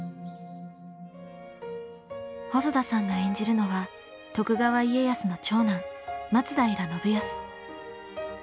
細田さんが演じるのは徳川家康の長男松平信康。